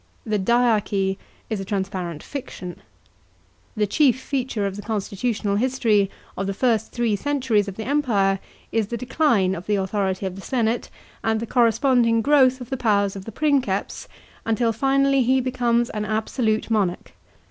The dyarchy is a transparent fiction. The chief feature of the constitu tional history of the first three centuries of the Empire is the decline of the authority of the senate and the corresponding growth of the powers of the Princeps, until finally he becomes an absolute monarch.